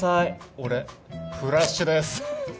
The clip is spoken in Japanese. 俺フラッシュですははっ。